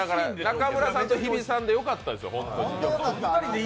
中村さんと日比さんでよかったですよ、本当に。